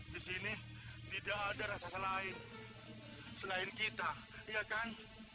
di sini tidak ada rasa selain kita ya kan